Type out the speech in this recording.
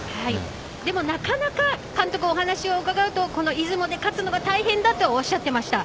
でもなかなか監督、お話を伺うと出雲で勝つのが大変だとおっしゃっていました。